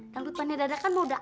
dangdut mania dadakan mudah